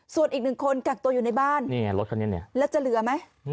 ส่วนอีก๑คนกักตัวอยู่ในบ้านแล้วจะเหลือไหม